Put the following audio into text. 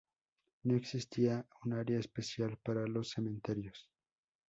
No existía un área especial para los cementerios.